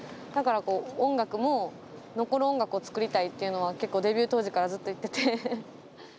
だから音楽も残る音楽を作りたいっていうのは結構デビュー当時からずっと言ってて。